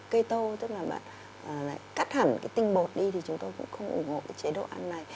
keto tức là bạn cắt hẳn tinh bột đi thì chúng ta cũng không ủng hộ chế độ ăn này